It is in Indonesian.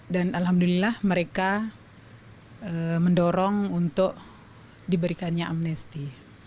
dan alhamdulillah mereka mendorong untuk diberikannya amnesty